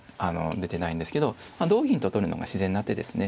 出てないんですけど同銀と取るのが自然な手ですね。